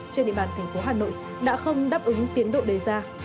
trên địa bàn tp hcm đã không đáp ứng tiến độ đề ra